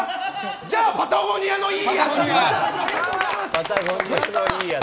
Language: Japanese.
じゃあパタゴニアのいいやつ！